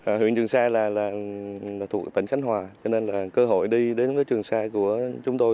ở huyện trường sa là thuộc tỉnh khánh hòa cho nên là cơ hội đi đến với trường sa của chúng tôi